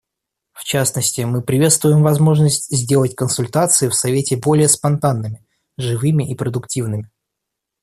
В частности, мы приветствуем возможность сделать консультации в Совете более спонтанными, живыми и продуктивными.